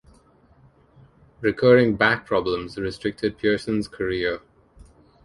Recurring back problems restricted Pearson's career.